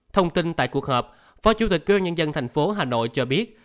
thông tin tại cuộc họp phó chủ tịch quy bán nhân dân thành phố hà nội cho biết